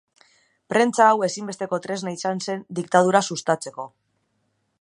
Prentsa hau ezinbesteko tresna izan zen diktadura sustatzeko.